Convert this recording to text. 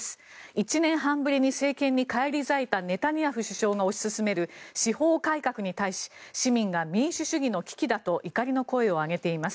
１年半ぶりに政権に返り咲いたネタニヤフ首相が推し進める司法改革に対し市民が民主主義の危機だと怒りの声を上げています。